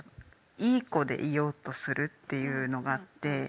いい子でいようとするっていうのがあって。